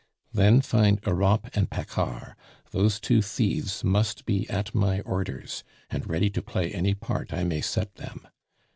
Then find Europe and Paccard; those two thieves must be at my orders, and ready to play any part I may set them.